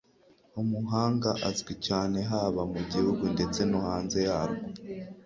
Umuhanga azwi cyane haba mu gihugu ndetse no hanze yarwo.